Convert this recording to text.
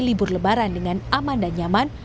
libur lebaran dengan aman dan nyaman